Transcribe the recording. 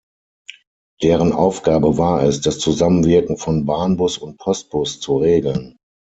Deren Aufgabe war es, das Zusammenwirken von Bahnbus und Postbus zu regeln.